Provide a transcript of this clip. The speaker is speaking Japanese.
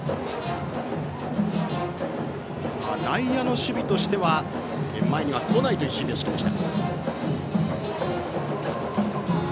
内野の守備としては前には来ないという守備を敷きました。